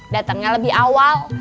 datangnya lebih awal